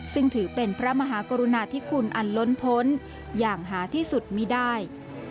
ซึ่งถือเป็นพระมหากรุณาธิคุณอันล้นพ้นอย่างหาที่สุดมีได้